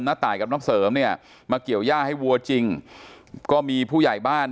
ตายกับน้องเสริมเนี่ยมาเกี่ยวย่าให้วัวจริงก็มีผู้ใหญ่บ้าน